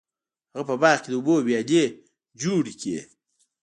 هغه په باغ کې د اوبو ویالې جوړې کړې.